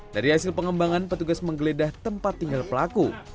dari hasil pengembangan petugas menggeledah tempat tinggal pelaku